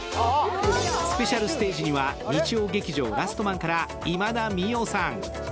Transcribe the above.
スペシャルステージには日曜劇場「ラストマン」から今田美桜さん。